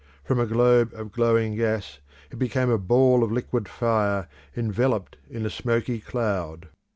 From a globe of glowing gas it became a ball of liquid fire, enveloped in a smoky cloud.